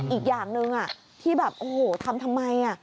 อีกอย่างหนึ่งที่แบบโอ้โหทำทำไม